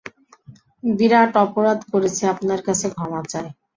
বিরাট অপরাধ করেছি, আপনার কাছে ক্ষমা চাই।